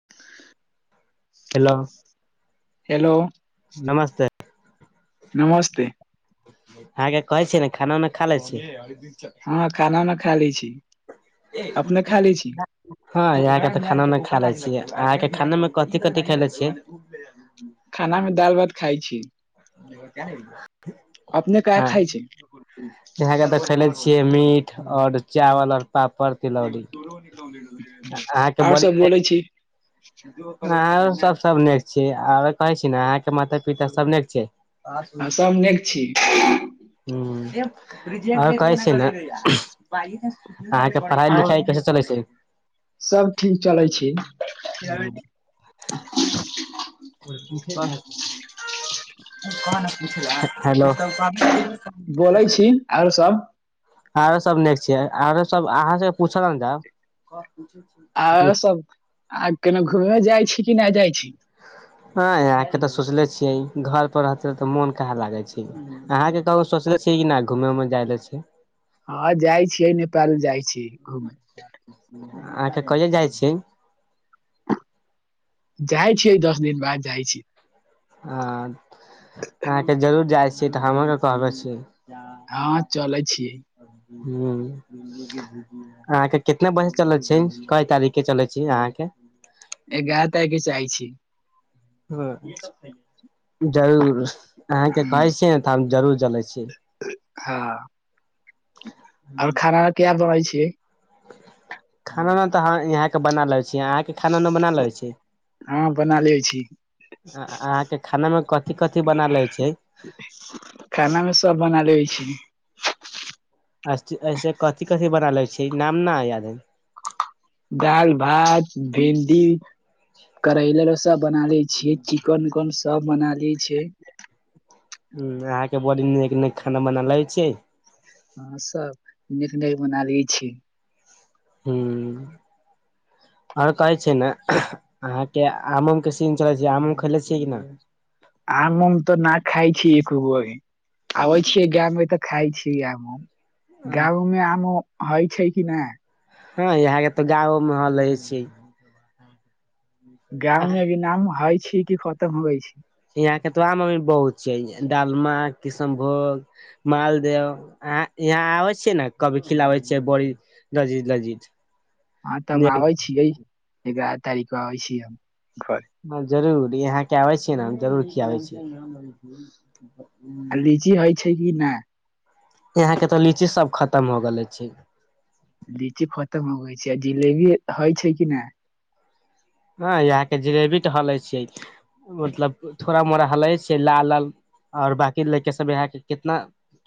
[inaudible] Hello hello नमस्ते नमस्ते। अहाँकेँ कहै छी ने खाना उना खा लै छी। हँ खाना उना खा लै छै। ए ई। [unintelligible] हँ, यहाँकेँ त खानामे खा ले छियै, अहाँकेँ खानामे कथि कथि खाय ले छियै। खानामे दाल भात खाए छी। अपने का हँ [unintelligible] खाइ छी यहाँकेँ तऽ खयले छियै, मीट ओर चावल ओर पापड़ तिलौरी। अहाँकेँ आओर बोली सब न। बोलै छी अहो सभ सभ नेक छी, आर कहै छी ने अहाँकेँ माता पिता सभ निक ह सु आ कह सब नीक छी [unintelligible] ह, आ कहै छै ने। अहाँकेँ पढ़ाई लिखाई कैसे चलै छै? सभ ठीक चलै छै। [unintelligible] हेलो। बोलै छी और सभ। आरो सभ निक छियै आरो सभ अहाँ से पूछल जा आरो सभ आ केना घूमय जाइ छी कि नय जाइ छी। आ अहाँकेँ तऽ सोचले छियै घर पर रहत तऽ मोन काहा लागै छै। अहाँकेँ कहू सोचले छीयै कि न घूमे उमे जाय ले छै। हँ, जाइ छीयै नेपाल जाइ छीयै घूमे। अहाँकेँ कहिआ जाइ छी? जाइ छीयै दस दिन बाद जाइ छी। हँ, अहाँकेँ जरूर जाइ छीये त हमहूँ के कहबै छी। हँ, चले छै। ह्म अहाँकेँ कितना बजे चल छै, कई तारीखके चले छी अहाँकेँ। एगारह तारीखके चाहे छै। हँ, जरूर। अहाँकेँ हँ कहै छियै ने तऽ हम जरूर जलै छी। हा। और खाना किया बनाै छियै? खाना उना तऽ यहाँकेँ बना ले छी अहाँ। खाना उना बना लै छै। हँ, बना लै छी। अहाँकेँ खानामे कथि कथि बना लेबे छियै? खानामे सभ बना लेबे छै। ऐसे कथि कथि बना लै छी, नाम न याद हइ। दाल भात भिंडी करैला रा। सभ बना ले छियै चिकन उकन सभ बना ले छी। हू, अहाँकेँ बड़ी निक निक खाना बना ले छियै। हा, सभ निक निक बना लिय छी। हूँ, और कहै छै न। अहाँकेँ आम ऊम के सीजन चलैत छै, आम ऊम खेले छियै कि ना। आम उम तऽ न खाए छि एक गो अभी आबै छीयै गांव मे तऽ खाए छि आम उम गाम मे आम होइ छै कि नाए हँ इहके तऽ गाँवोमे हाँ रहै छै गाँव मे नाम हइ छी कि खतम होइ छी यहाँ के तऽ आम अभी बहुत छै डालमा किशनभोग मालदेव अह यहाँ आबे छियै ने कभी खिलआबे छिय बड़ी लजीद लजीद हँ तऽ हम आबै छिए एगारह तारीख के आबै छि हम घर ह जरूर यहाँ के आबै छियै ने जरूर खियाबै छिए आ लीची होइ छै कि न यहाँ के त लीची सब खत्म हो गेले छै लीची खत्म होबै छै आ जिलेबी होइ छै कि नाए यहाँ के जिलेबी ढल ऐछ मतलब थोड़ा मोड़ा हलै छै लाल लाल और बकी लड़का सब यहाँ के केतना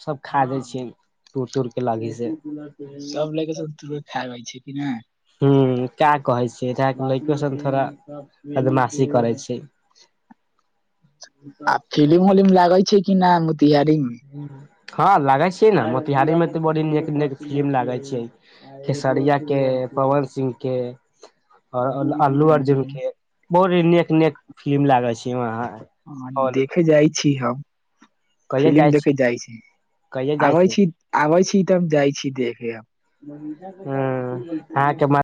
सब खा जाय छियै तूड़ तूड़ के लगी से सब लड़का सब तुर खाबै छै कि ना हू का कहै छी लड़का सब थोड़ा बदमाशी करै छय [unintelligible] आ फिल्म बिल्म लागै छै कि न मोतिहारी मे हँ लागे छी ने मोतिहारी मे तऽ बड़ी नीक नीक फिल्म लागे छैै खेसरिया के पवन सिंह के और अल्लू अर्जुन हम्म, के बहुत ही नेक नेक फिल्म लागल छै वहाँ ह हॉल मे देखे जाइ छी हम फिल्म देखे जाइ छी कहिया जाइ आबै छी आबै छी तब जाइ छी देखेब [inaudible]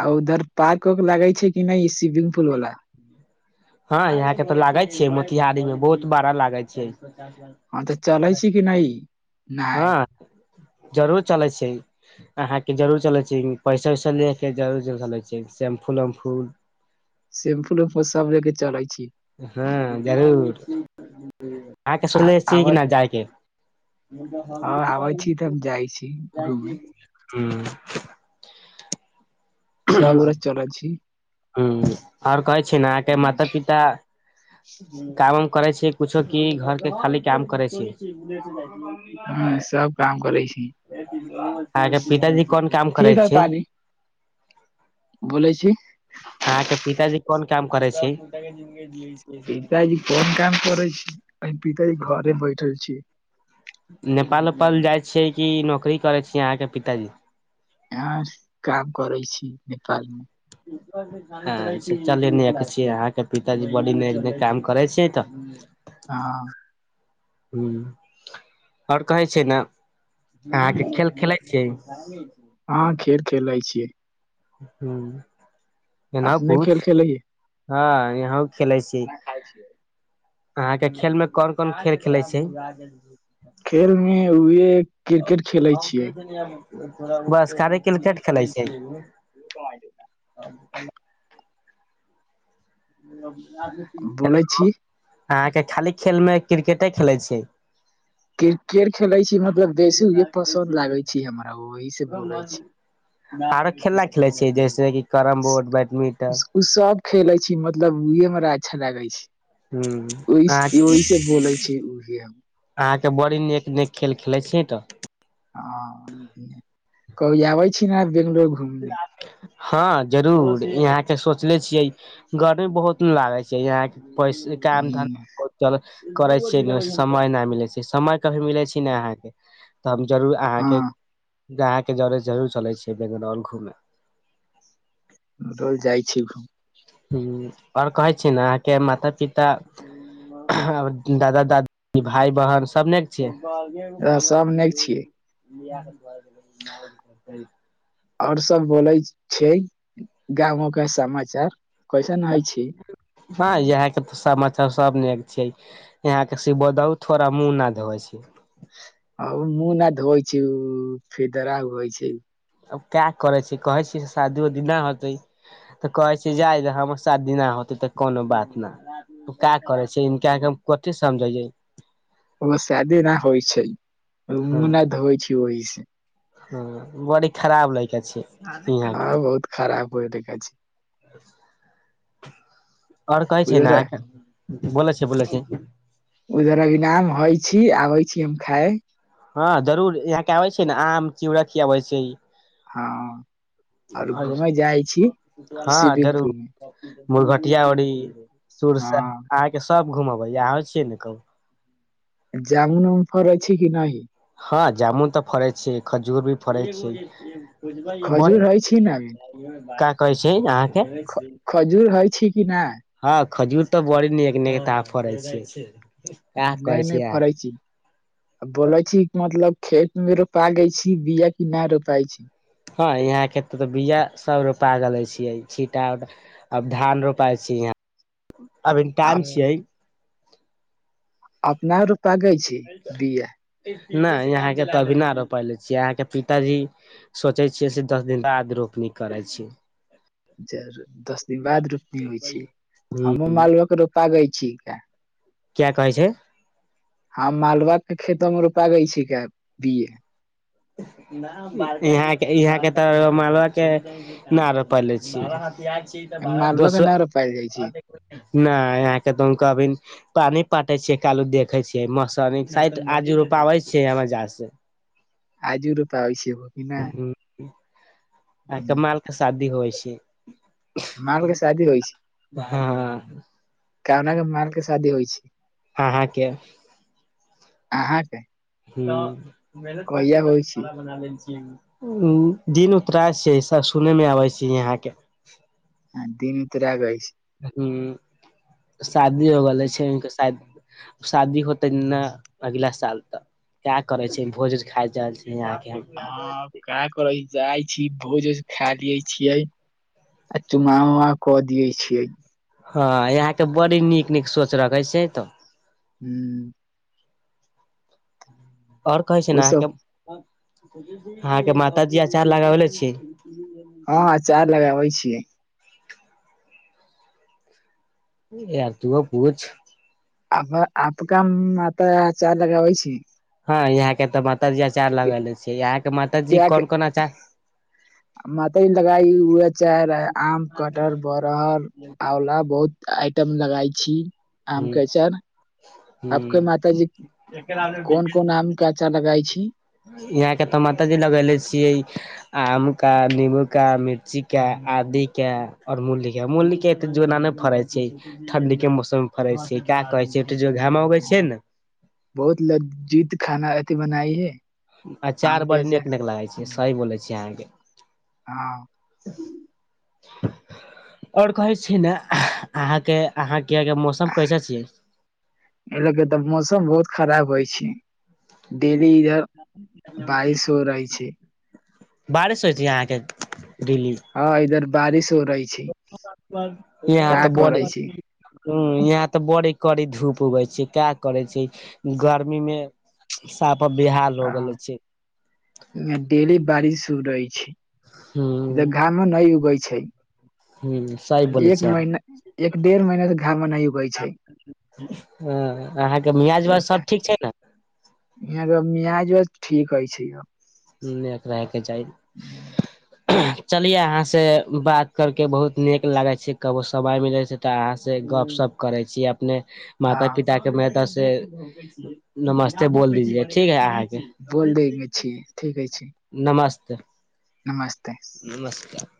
आ उधर पार्क वार्क लगै छै कि नाए [inaudible] [inaudible] हँ यहाँ के तऽ लागे छै मोतिहारी में बहुत बड़ा लागे छै हँ तऽ चलाय छी कि नाए नाए [unintelligible] जरूर चलै छै अहाँ के जरूर चले छै पैसा वैसा ले के जरूर चले छै शेमफूल वमफूल सेम्पू वम्पू सब ले के चलै छी हँ जरूर अहाँके आ सुनले छीय कि आबै न जायके हँ आबै छी तऽ हम जाइ छी घूमे [inaudible] सब गोरा चलै छि हू और कहै छी न अहाँके माता पिता काम उम करै छीय कुछो की घर के खाली काम करै छि हँ सब काम करै छि अहाँके पिताजी कोन काम करै छी [inaudible] बोलै छी अहाँ के पिताजी कोन काम करे छि [unintelligible] पिताजी कोन काम करै छी ऐखन पिताजी घरे बैठल छी नेपाल उपाल जाइ छियै कि नौकरी करै छिए अहाँ के पिताजी आ काम करे छि नेपाल मे [inaudible] अ चलिय ने छियै अहाँके पिताजी बड़ी काम करै छियै तऽ हँ हू आओर कहै छै ने अहाँके खेल खेलाए छियै हँ खेर खेलै छीयै हू एना अपने पुछ खेल खेलैयै हँ यँहा खेलै छी खाना खाइ छियै? अहाँके खेल मे कोन कोन खेल खेलै छै खेल ने है उहै [unintelligible] बस खाली किलकेट खेलै छै अ [unintelligible] [inaudible] [inaudible] बोलै छी अहाँ के खाली खेल मे क्रिकेटे खेलै छीयै क्रिकेर खेलै छी मतलब बेसीे पसन्द लागे छै हमरा वही से बोलै छै आरो खेला खेलै छियै जैसे कि कैरम बोर्ड बैडमिंटन ओ सब खेलै छी मतलब उह हमरा अच्छा लागै ह्म छै अहाँ ओहि ओईसे से बोलै छै उहै अहाँके बड़ी नीक नीक खेल खेलाए छीय तऽ ह कभी आबै छी ने बंगूलोर घुम ल हँ जरूर इहाँके सोचले छियै गर्मी बहुतिन लागै छै यहाँ पै काम धन्ध करै छिय समय नै मिलै छै समय कभी मिले छै ने अहाँके तऽ हम जरूर हँ अहाँके अह के जरे जरूर चले छियै बंगुलौर घूमे डोल जाइ छी हू आओर कहै छी ने अहाँके माता पिता दादा दादी भाय बहन सबनै छिय काम सब नीक छियै [unintelligible] आओर सब बोलै छै गामो के समाचार कैसन हइ छै ह इह के तऽ समाचार सब नेक छै यहां के सि बो दहु थोड़ा मुंह न धोेवै छै उ मु न धोइ छै फिदरा होइ छै अब का करे छै कहै छी शादी उदी न होतै तऽ कहै छै जाय हमर शादी नहि होतै तऽ कोनो बात नहि का करे छै इनका के कते समझैय ओ सादि न होइ छै उ न धोयछै होइ ओहि से ह बड़ी खराब लइका छै यहाँ हँ बहुत खराब ओइ देखै छै [unintelligible] आओर कहै छै न उधर अआहाँ बोलै छै बोलै छै उधर इनाम हय छी आबै छी हम खाय हँ जरूर यहाँ के आबे छै ने आम चिउरा खियाबै छीये हँ आओर और घूमे जाइ छी हँ स्विमिंग जरूर पुल मे मुरघटिया वौरी सुरस हँ अहाँ के सब घुमबे अहं छीयै ने कहू जामुन उमफर छै कि नही हँ जामुन तऽ फड़ै छै खजूर भी फड़ै छै बुझबाई खजूर होइ छी न आहाँ क कहै छै अहाँके खजूर हइ छै कि नहि हँ खजूर तऽ बड़ी ने नेक तड़ै छै नहि कहै नहि छी फराइ अहाँके छि आ बोलै छी मतलब खेत मे रोपा गै छी बिय कि नहि रोपाइ छि हँ यहाँ के ते तऽ बीया सब रूपा ग ले छियै छींटा उटा अब धान रोपाइ छी यहा अभ आ टाइम छिए अपना रूपागै छै नहि यहाँके तऽ अभी न रोपा ले छियै यहाँके पिताजी सोचै छियै से दस दिन बाद रोपनी करै छी ज दस दिन बाद रोपनी होइ छी ह हमहु मालवह के रोपा गय छी किया कहै छै हँ मालबा के खेतो में रोपाागे छिक बिए ह यहाँ के तऽ माला के न रोपाइले हिय छी हम मालवा [unintelligible] के स न रोपायल जाइ छै यहके पानी पाटे छियै कालू देखे छियै मौस आजू रुपाबै छियै हमाज से आजू रोप होइस हो कि ना ह [inaudible] आ क माल के शादी होइ छै माल के शादी होइ हँ कना क माल के शादी होइ छै आहाके आहा के तऽ मेहनत करते कहिया होइ करते छै भाड़ा बना लेल छिए उ दिन उतराय छै सब सुनने मे आबे छै यहाँ के ह दिन [unintelligible] तऽरागैइ छै हं शादी हो गेले छै शायद शादी होतै ने अगला साल तऽ त करे छै भोजज खा जा रहल छै यहाँ के हँ क करै छी जाइ छी भोज खा लिय छियै आ चुमा उमा कऽ दिय छियै हँ यहाँके बड़ी नीक नीक सोच रखै छै तऽ हू ओर कहै छै ओ ना सब अहाँ के माताजी आचार लगाबले छी हँ अचार लगाबै छियै यार तूहो पूछ आ आपका माता आचार लगाबै छै हँ यहाँ के तऽ माताजी आचार लगले छी यहां के माताजी किया कोन कोन आचार माता जी त लगा लग ई उहे आचार आम कटहर बरहर आला बहुत आइटम लगाई छी आम ह के अचार आपके ह माता जी कोन कोन आम क आचार लगा छी यहााँ के टमाटर जे लगेले छियै आम का नीबू का मिर्ची का आदी कऔर मूली क मूली क जोना ने फड़े छै ठंडी के मौसम मे फरे छै का कहे छै जो घा मे उगे छै ने बहुत लज्जित खाना अथि बनाई है अचार आम बड़ के नीक लागै छै सही बोलै छी अहाँके हँ [inaudible] आओर कहै छी, ने अहाँकेँ अहाँकेँ मौसम कैसे छियै। एहि ले के तऽ मौसम बहुत खराब होय छै, डेली इधर। बारिश हो रहै छै। बारिश होइत अहाँकेँ दिल्ली। हँ, इधर बारिश हो रही। छै यहाँ तऽ का बडी। करै छी ह, यहाँ तऽ बड़ी कड़ी धूप उगै छै, क्या करे छै गर्मीमे। साफ बिहाल हो आ गेले छै। डेली बारिश रहै छै। हँ। [unintelligible] घामा न उगे छै हू, सही। बोलै एक छै महीना एक डेढ़ महीनासे घामा न उगै छै। ह, अहाँकेँ मियाज उवाज सभ ठीक छै ने। यहाँकेँ मियाज उवज सभ ठीक हइ छै य। नेट रह के चाही। चलिए अहाँसँ बात करिक बहुत निक लागै छै, कभो समय मिलै छै। तऽ अहाँसँ गपशप करै छै अपने। माता हँ पिताके मेरे तरफसे नमस्ते बोल दीजीए ठीक है आ। बोल देने छै ठीकै छै। नमस्ते। नमस्ते। नमस्कार।